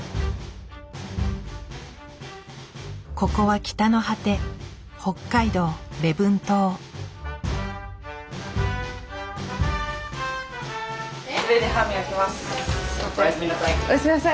ここは北の果ておやすみなさい。